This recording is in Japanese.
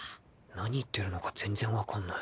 何言ってるのか全然分かんない。